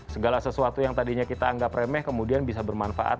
segala sesuatu yang tadinya kita anggap remeh kemudian bisa bermanfaat